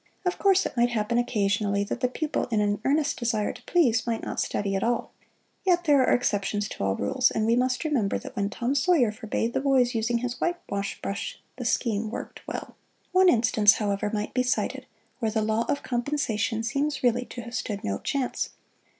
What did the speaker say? Of course it might happen occasionally that the pupil in an earnest desire to please, might not study at all, yet there are exceptions to all rules, and we must remember that when Tom Sawyer forbade the boys using his whitewash brush, the scheme worked well. One instance, however, might be cited where the law of compensation seems really to have stood no chance.